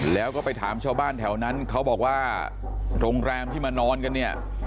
แล้วก็ไปถามชาวบ้านแถวนั้นเขาบอกว่าโรงแรมที่มานอนกันเนี่ย